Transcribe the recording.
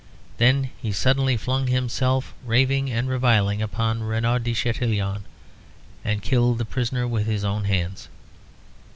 Then he suddenly flung himself raving and reviling upon Renaud de Chatillon, and killed the prisoner with his own hands.